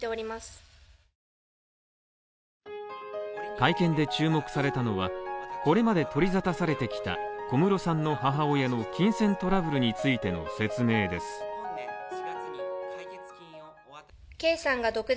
会見で注目されたのは、これまで取りざたされてきた小室さんの母親の金銭トラブルについての説明です。